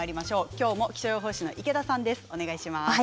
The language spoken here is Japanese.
今日も気象予報士の池田さんです。